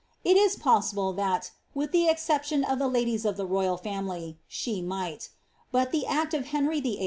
It is possible that, with the exception Of the ladies of the royal family, the might; but the act of Henry VIII.